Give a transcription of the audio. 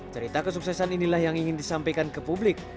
cerita kesuksesan inilah yang ingin disampaikan ke publik